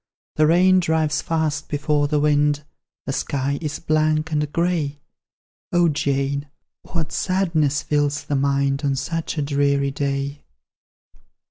The rain drives fast before the wind, The sky is blank and grey; O Jane, what sadness fills the mind On such a dreary day!"